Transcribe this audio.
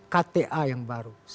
kta yang baru